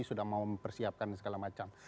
sudah mempersiapkan dan segala macam